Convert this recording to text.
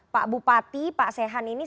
pak bupati pak sehan ini